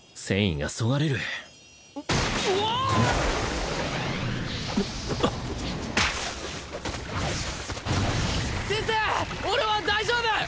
先生俺は大丈夫！